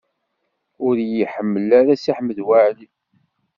Ur iyi-ḥemmel ara Si Ḥmed Waɛli.